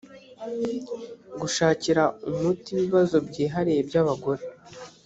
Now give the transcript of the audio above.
gushakira umuti ibibazo byihariye by abagore